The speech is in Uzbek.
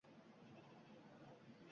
dahshati.